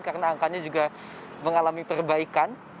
karena angkanya juga mengalami perbaikan